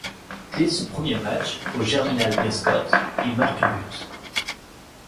Dès son premier match, au Germinal Beerschot, il marque un but.